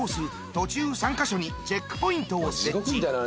途中３カ所にチェックポイントを設置。